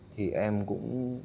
thì em cũng